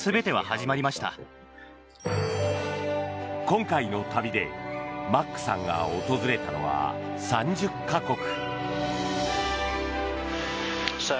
今回の旅でマックさんが訪れたのは３０か国。